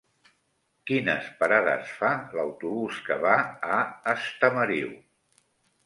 Quines parades fa l'autobús que va a Estamariu?